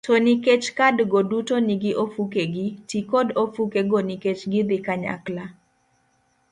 To nikech kadgo duto nigi ofukegi, ti kod ofukego nikech gidhi kanyakla